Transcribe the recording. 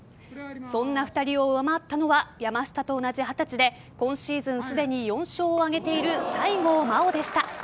そんな２人を上回ったのは山下と同じ二十歳で今シーズンすでに４勝を挙げている西郷真央でした。